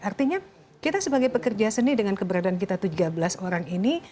artinya kita sebagai pekerja seni dengan keberadaan kita tiga belas orang ini